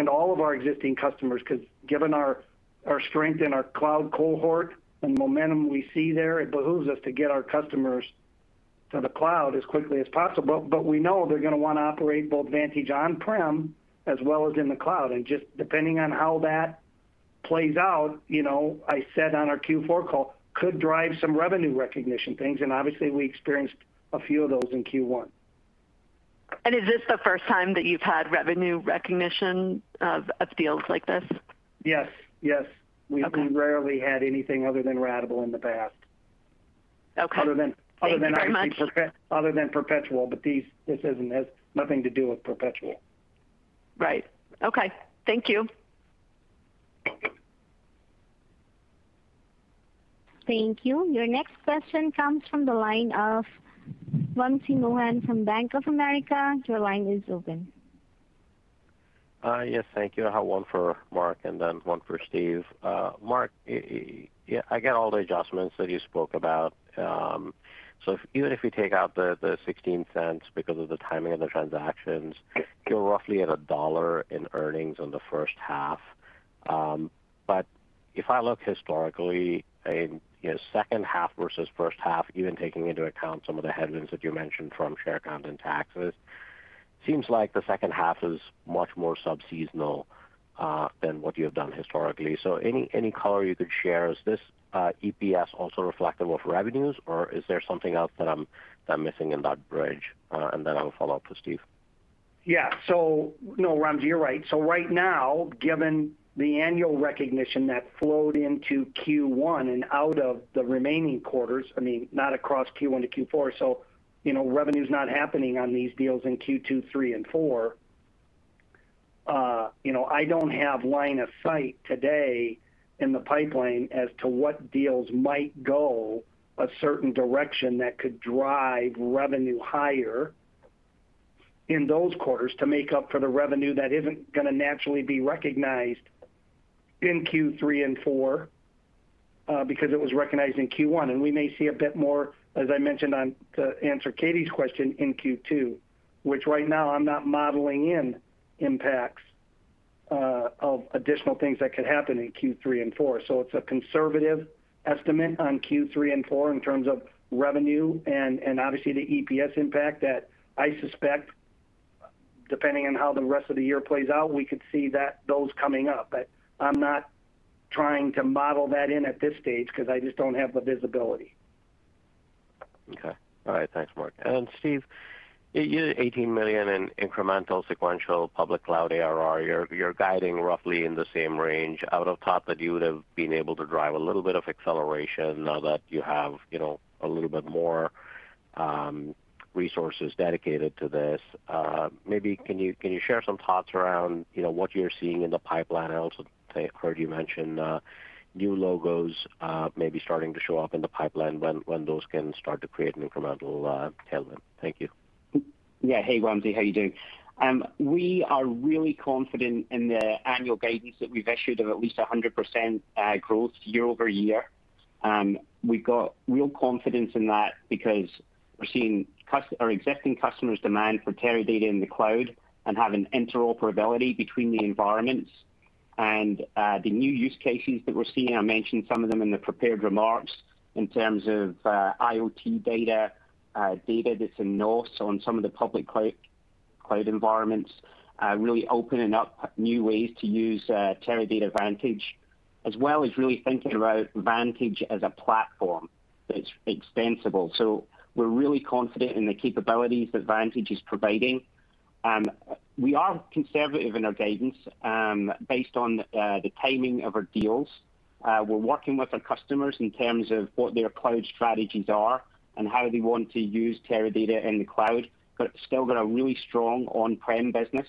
to all of our existing customers because given our strength in our cloud cohort and momentum we see there, it behooves us to get our customers to the cloud as quickly as possible. We know they're going to want to operate both Vantage on-prem as well as in the cloud. Just depending on how that plays out, I said on our Q4 call, could drive some revenue recognition things, and obviously we experienced a few of those in Q1. Is this the first time that you've had revenue recognition of deals like this? Yes. We've rarely had anything other than ratable in the past. Okay. Thank you very much. Other than perpetual, but this has nothing to do with perpetual. Right. Okay. Thank you. Thank you. Your next question comes from the line of Wamsi Mohan from Bank of America. Your line is open. Yes. Thank you. I have one for Mark and then one for Steve. Mark, I get all the adjustments that you spoke about. Even if you take out the $0.16 because of the timing of the transactions. You're roughly at $1 in earnings in the first half. If I look historically, second half versus first half, even taking into account some of the headwinds that you mentioned from share count and taxes, seems like the second half is much more sub-seasonal than what you have done historically. Any color you could share, is this EPS also reflective of revenues, or is there something else that I'm missing in that bridge? I have a follow-up for Steve. Yeah. Wamsi, you're right. Right now, given the annual recognition that flowed into Q1 and out of the remaining quarters, not across Q1 and Q4, revenue's not happening on these deals in Q2, Q3 and Q4. I don't have line of sight today in the pipeline as to what deals might go a certain direction that could drive revenue higher in those quarters to make up for the revenue that isn't going to naturally be recognized in Q3 and Q4 because it was recognized in Q1. We may see a bit more, as I mentioned on to answer Katy's question, in Q2, which right now I'm not modeling in impacts of additional things that could happen in Q3 and Q4. It's a conservative estimate on Q3 and Q4 in terms of revenue and obviously the EPS impact that I suspect, depending on how the rest of the year plays out, we could see those coming up. I'm not trying to model that in at this stage because I just don't have the visibility. Okay. All right. Thanks, Mark. Steve, you had $18 million in incremental sequential public cloud ARR. You're guiding roughly in the same range. I would've thought that you would've been able to drive a little bit of acceleration now that you have a little bit more resources dedicated to this. Maybe can you share some thoughts around what you're seeing in the pipeline? I also heard you mention new logos maybe starting to show up in the pipeline when those can start to create incremental tailwind. Thank you. Yeah. Hey, Wamsi. How you doing? We are really confident in the annual guidance that we've issued of at least 100% growth year-over-year. We've got real confidence in that because we're seeing our existing customers' demand for Teradata in the cloud and having interoperability between the environments and the new use cases that we're seeing. I mentioned some of them in the prepared remarks in terms of IoT data that's in NOS on some of the public cloud environments, really opening up new ways to use Teradata Vantage, as well as really thinking about Vantage as a platform that's extensible. We're really confident in the capabilities that Vantage is providing. We are conservative in our guidance based on the timing of our deals. We're working with our customers in terms of what their cloud strategies are and how they want to use Teradata in the cloud. Still got a really strong on-prem business.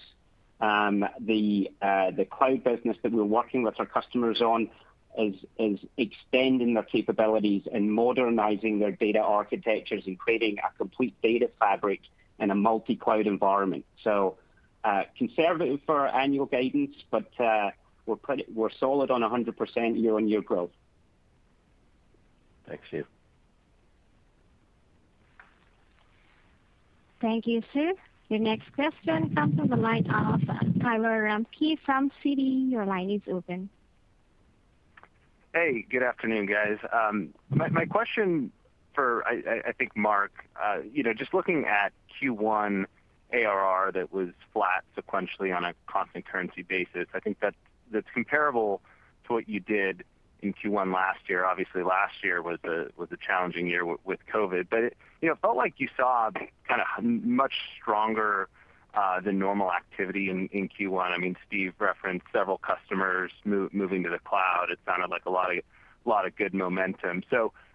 The cloud business that we're working with our customers on is extending their capabilities and modernizing their data architectures and creating a complete data fabric in a multi-cloud environment. Conservative for annual guidance, but we're solid on 100% year-on-year growth. Thanks, Steve. Thank you, Steve. Your next question comes from the line of Tyler Radke from Citi. Your line is open. Hey, good afternoon, guys. My question for, I think Mark. Just looking at Q1 ARR that was flat sequentially on a constant currency basis, I think that's comparable to what you did in Q1 last year. Obviously, last year was a challenging year with COVID. It felt like you saw a much stronger than normal activity in Q1. Steve referenced several customers moving to the cloud. It sounded like a lot of good momentum.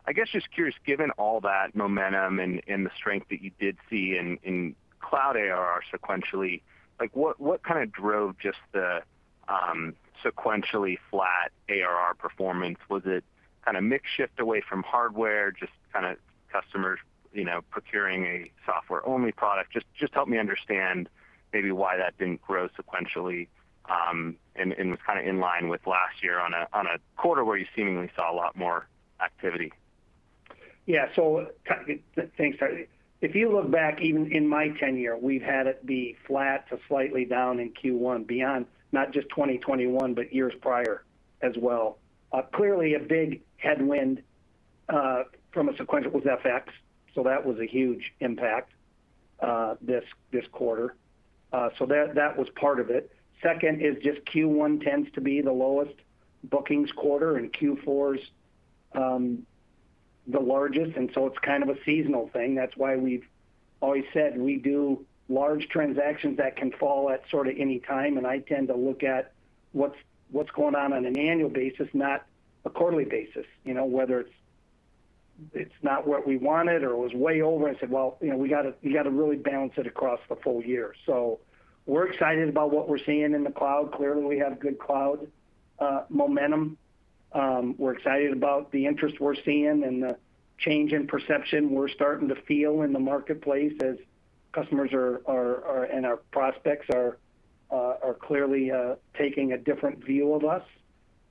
I guess just curious, given all that momentum and the strength that you did see in cloud ARR sequentially, what drove just the sequentially flat ARR performance? Was it a mix shift away from hardware, just customers procuring a software-only product? Help me understand maybe why that didn't grow sequentially and was kind of in line with last year on a quarter where you seemingly saw a lot more activity. Yeah. Thanks, Tyler. If you look back even in my tenure, we've had it be flat to slightly down in Q1 beyond not just 2021, but years prior as well. Clearly a big headwind from a sequential was FX, that was a huge impact this quarter. That was part of it. Second is just Q1 tends to be the lowest bookings quarter, and Q4 is the largest, it's kind of a seasonal thing. That's why we've always said we do large transactions that can fall at sort of any time, and I tend to look at what's going on on an annual basis, not a quarterly basis. Whether it's not what we wanted or it was way over, I said, "Well, we got to really balance it across the full year." We're excited about what we're seeing in the cloud. Clearly, we have good cloud momentum. We're excited about the interest we're seeing and the change in perception we're starting to feel in the marketplace as customers and our prospects are clearly taking a different view of us.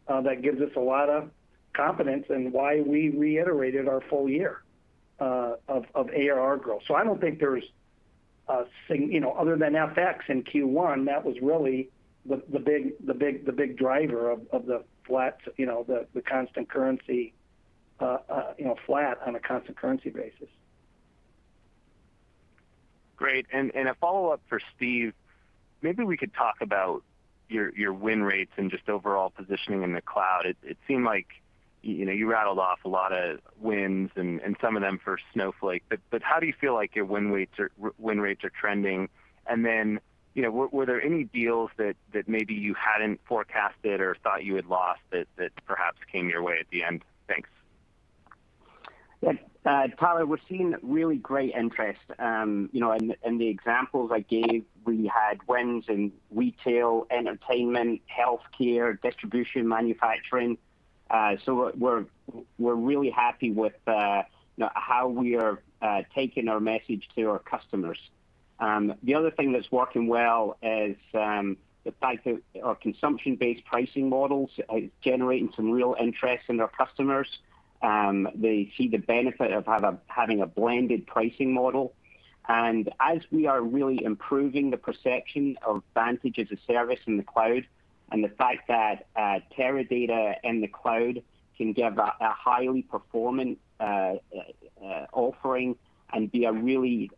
That gives us a lot of confidence in why we reiterated our full year of ARR growth. I don't think there's, other than FX in Q1, that was really the big driver of the flat on a constant currency basis. Great. A follow-up for Steve. Maybe we could talk about your win rates and just overall positioning in the cloud. It seemed like you rattled off a lot of wins and some of them for Snowflake. How do you feel like your win rates are trending? Were there any deals that maybe you hadn't forecasted or thought you had lost that perhaps came your way at the end? Thanks. Yes. Tyler, we're seeing really great interest. In the examples I gave, we had wins in retail, entertainment, healthcare, distribution, manufacturing. We're really happy with how we are taking our message to our customers. The other thing that's working well is the fact that our consumption-based pricing models are generating some real interest in our customers. They see the benefit of having a blended pricing model. As we are really improving the perception of Vantage as-a-service in the cloud, and the fact that Teradata in the cloud can give a highly performant offering and be a really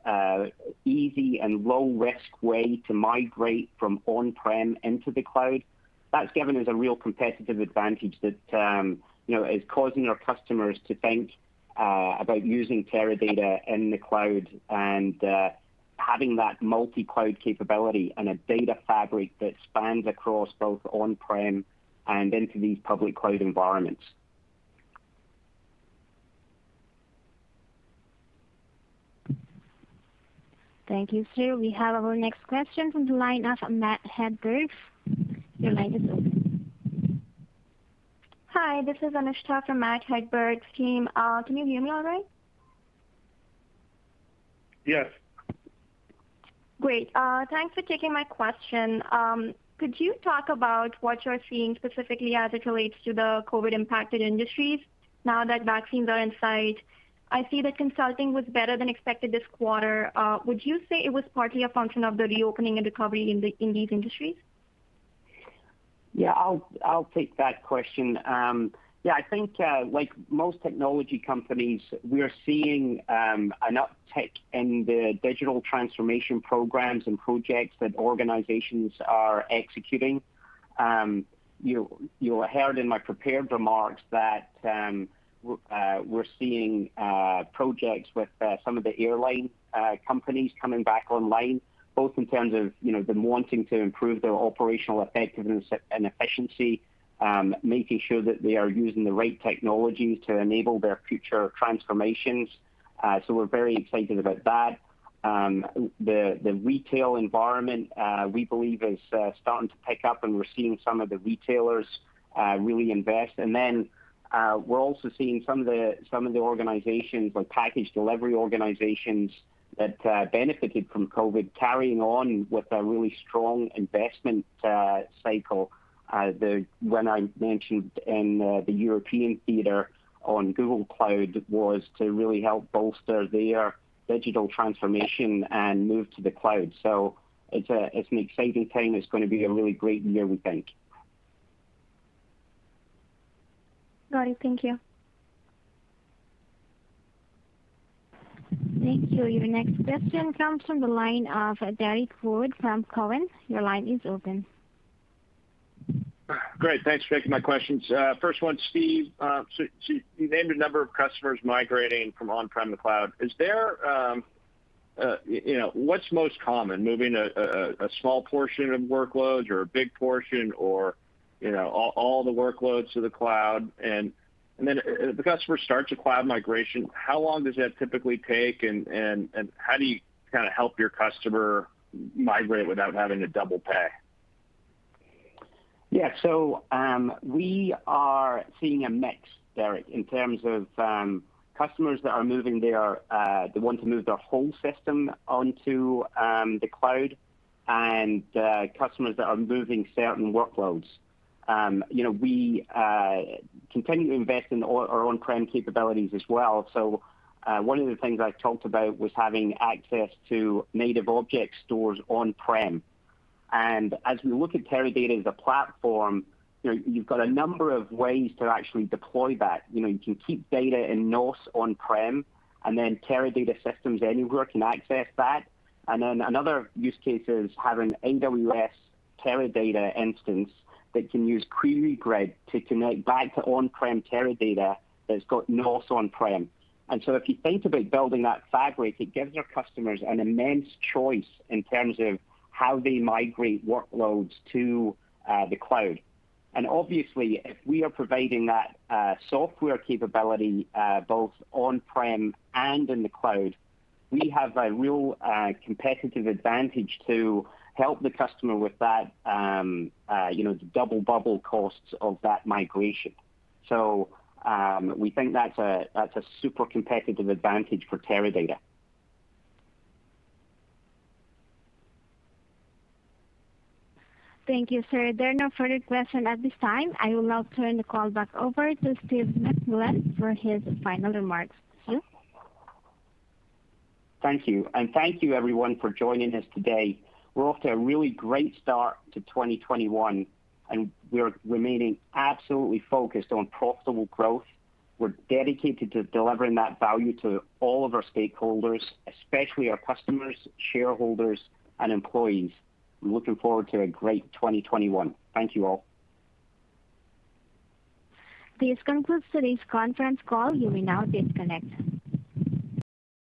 easy and low-risk way to migrate from on-prem into the cloud. That's given us a real competitive advantage that is causing our customers to think about using Teradata in the cloud, and having that multi-cloud capability and a data fabric that spans across both on-prem and into these public cloud environments. Thank you, Steve. We have our next question from the line of Matt Hedberg. Your line is open. Hi, this is Anushtha from Matt Hedberg's team. Can you hear me all right? Yes. Great. Thanks for taking my question. Could you talk about what you're seeing specifically as it relates to the COVID-impacted industries now that vaccines are in sight? I see the consulting was better than expected this quarter. Would you say it was partly a function of the reopening of the economy in these industries? I'll take that question. I think like most technology companies, we are seeing an uptick in the digital transformation programs and projects that organizations are executing. You'll heard in my prepared remarks that we're seeing projects with some of the airline companies coming back online, both in terms of them wanting to improve their operational effectiveness and efficiency, making sure that they are using the right technologies to enable their future transformations. We're very excited about that. The retail environment we believe is starting to pick up, and we're seeing some of the retailers really invest. Then we're also seeing some of the organizations, the package delivery organizations that benefited from COVID carrying on with a really strong investment cycle. The one I mentioned in the European theater on Google Cloud was to really help bolster their digital transformation and move to the cloud. It's an exciting time. It's going to be a really great year, we think. Got it. Thank you. Thank you. Your next question comes from the line of Derrick Wood, TD Cowen. Your line is open. Great. Thanks for taking my questions. First one, Steve. You named a number of customers migrating from on-prem to cloud. What's most common? Moving a small portion of workloads or a big portion, or all the workloads to the cloud? If the customer starts a cloud migration, how long does that typically take and how do you kind of help your customer migrate without having to double pay? Yeah. We are seeing a mix, Derrick, in terms of customers that are moving They want to move their whole system onto the cloud and customers that are moving certain workloads. We continue to invest in our on-prem capabilities as well. One of the things I talked about was having access to native object stores on-prem. As we look at Teradata as a platform, you've got a number of ways to actually deploy that. You can keep data in NOS on-prem, then Teradata Everywhere can access that. Another use case is having AWS Teradata instance that can use QueryGrid to connect back to on-prem Teradata that's got NOS on-prem. If you think about building that fabric, it gives our customers an immense choice in terms of how they migrate workloads to the cloud. Obviously, if we are providing that software capability, both on-prem and in the cloud, we have a real competitive advantage to help the customer with that double bubble costs of that migration. We think that's a super competitive advantage for Teradata. Thank you, sir. There are no further questions at this time. I will now turn the call back over to Steve McMillan for his final remarks. Steve? Thank you. Thank you everyone for joining us today. We're off to a really great start to 2021, and we are remaining absolutely focused on profitable growth. We're dedicated to delivering that value to all of our stakeholders, especially our customers, shareholders, and employees. We're looking forward to a great 2021. Thank you all. This concludes today's conference call. You may now disconnect.